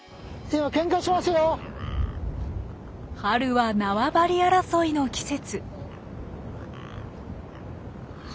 春は縄張り争いの季節。